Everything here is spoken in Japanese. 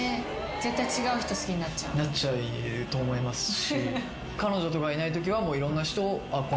なっちゃうと思いますし。